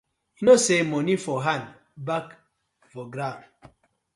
Yu kow say moni for hand back na grawn.